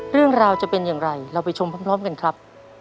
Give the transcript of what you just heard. เรื่องราวจะเป็นอย่างไรเราไปชมพร้อมกันครับ